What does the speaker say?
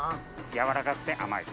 柔らかくて甘い。